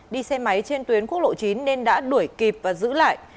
đi xe máy trên tuyến quốc lộ chín nên đã đuổi kịp và giữ lại